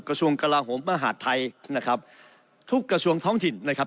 กระทรวงกลาโหมมหาดไทยนะครับทุกกระทรวงท้องถิ่นนะครับ